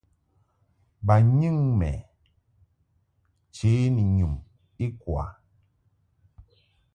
Bo nyɨŋ mɛ nche ni nyum ikwa.